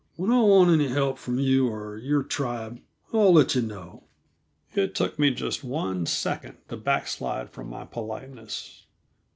"When I want any help from you or your tribe, I'll let yuh know." It took me just one second to backslide from my politeness.